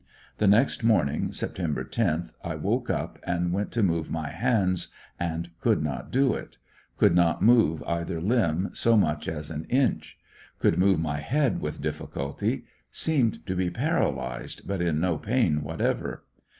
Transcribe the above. The next morn ing, September 10th, I woke up and went to move my hands, and could not do it; could not move either limb so much as an inch. Could move my head with difficulty. Seemed to be paralyzed, but in no pain whatever.